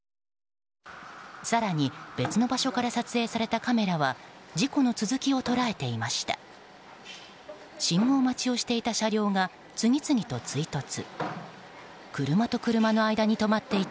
更に別の場所から撮影されたカメラは事故の続きを捉えていました。